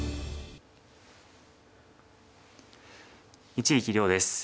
一力遼です。